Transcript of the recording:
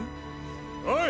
おい！